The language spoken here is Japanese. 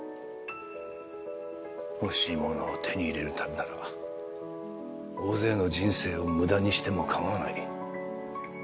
欲しいものを手に入れるためなら大勢の人生を無駄にしてもかまわない。